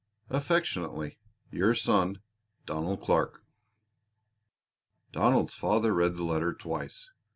Affectionately your son, DONALD CLARK. Donald's father read the letter twice.